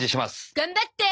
頑張って！